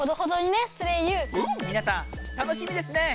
みなさん楽しみですねえ。